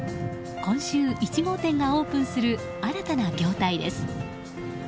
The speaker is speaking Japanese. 今週１号店がオープンする新たな業態です。